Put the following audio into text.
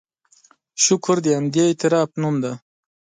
شکر د همدې اعتراف نوم دی.